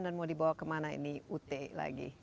dan mau dibawa kemana ini ut lagi